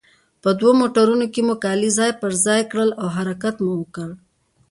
په دوو موټرونو کې مو کالي ځای پر ځای کړل او حرکت مو وکړ.